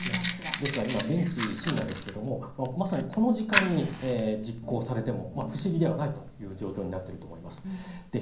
ですが、今、現地深夜ですけどもまさにこの時間に実行されても不思議ではないという状況になっていると思います。